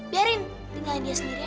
biarin tinggalin dia sendiri aja